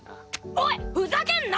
おいふざけんな！